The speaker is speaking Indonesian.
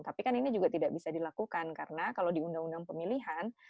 tapi kan ini juga tidak bisa dilakukan karena kalau di undang undang pemilihan